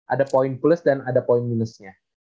ada poin plus dan ada poin minusnya